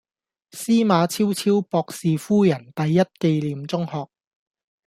司馬昭昭博士夫人第一紀念中學